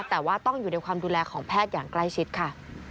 แต่ว่าต้องอยู่ในความดูแลของแพทย์อย่างใกล้ชิดค่ะ